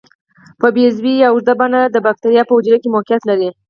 په بیضوي یا اوږده بڼه د باکتریا په حجره کې موقعیت لري.